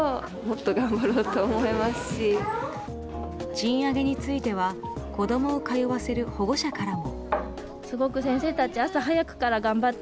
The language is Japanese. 賃上げについては子供を通わせる保護者からも。